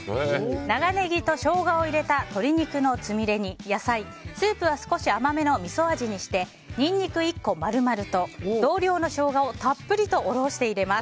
長ネギとショウガを入れた鶏肉のつみれに野菜スープは少し甘めのみそ味にしてニンニク１個丸々と同量のショウガをたっぷりとおろして入れます。